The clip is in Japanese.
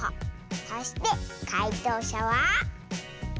そしてかいとうしゃは。